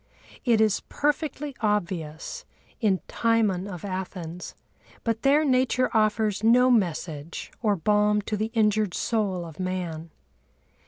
It is perfectly obvious in Timon of Athens—but there Nature offers no message or balm to the injured soul of man.